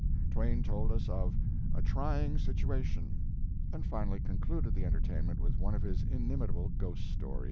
Twain told us of "A Trying Situa tion," and finally concluded the enter tainment with one of his inimitable ghost stories.